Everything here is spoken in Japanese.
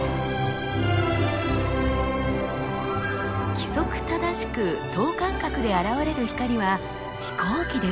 規則正しく等間隔で現れる光は飛行機です。